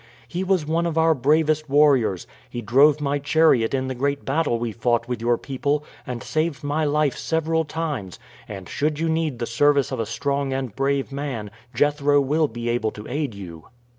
He was one of our bravest warriors. He drove my chariot in the great battle we fought with your people, and saved my life several times; and should you need the service of a strong and brave man, Jethro will be able to aid you."